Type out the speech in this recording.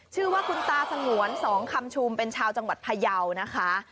ชื่อว่าคุณตาสงวนสองคำชุมเป็นชาวจังหวัดพยาวนะคะ